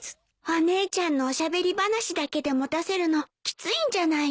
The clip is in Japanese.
お姉ちゃんのおしゃべり話だけで持たせるのきついんじゃないの？